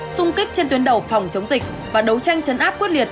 xung kích trên tuyến đầu phòng chống dịch và đấu tranh chấn áp quyết liệt